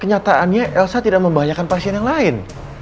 ternyata annya elsa tidak membahayakan pasien yang lain